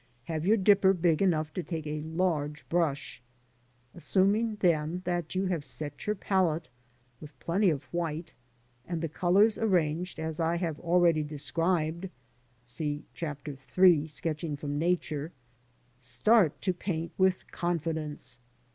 Have your dipper big enough to take a large brush. Assuming then that you have set your palette with plenty of white, and the colours arranged as I have already described,* start to paint with con fidence.